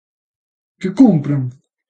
Que cumpran!